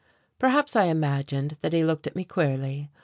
Perhaps I imagined that he looked at me queerly.